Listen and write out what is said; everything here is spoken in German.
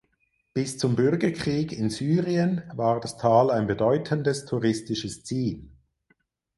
Bis zum Bürgerkrieg in Syrien war das Tal ein bedeutendes touristisches Ziel.